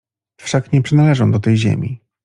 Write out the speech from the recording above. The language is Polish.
Wszak nie przynależę do tej ziemi!